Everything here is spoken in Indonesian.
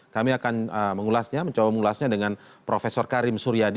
kami akan mengulasnya mencoba mengulasnya dengan prof karim suryadi